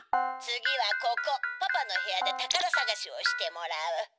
「次はここパパの部屋でたからさがしをしてもらう。